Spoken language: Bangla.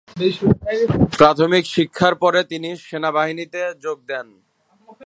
প্রাথমিক শিক্ষার পরে তিনি সেনাবাহিনীতে যোগ দেন।